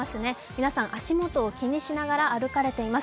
皆さん、足元を気にしながら歩いています。